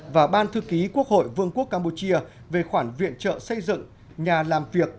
và ban thư ký quốc hội vương quốc campuchia về khoản viện trợ xây dựng nhà làm việc